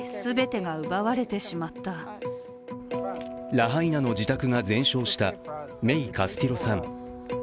ラハイナの自宅が全焼したメイ・カスティロさん。